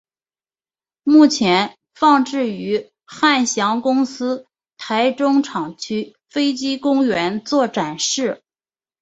目前放置于汉翔公司台中厂区飞机公园做展示。